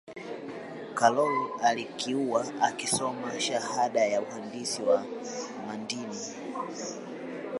karol alikiuwa akisoma shahada ya uhandisi wa mandini